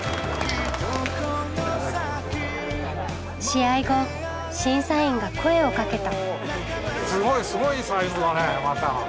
試合後審査員が声をかけた。